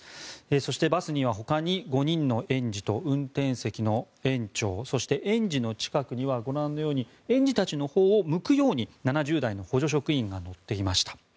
そしてバスにはほかに５人の園児と運転席の園長そして園児の近くにはご覧のように園児たちのほうを向くように７０代の補助職員が乗っていました。